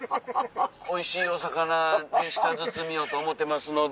おいしいお魚で舌鼓をと思ってますので。